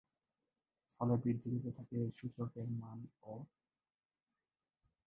ফলে বৃদ্ধি পেতে থাকে এর সূচক-এর মান-ও।